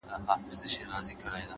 زړورتیا ویره کمزورې کوي,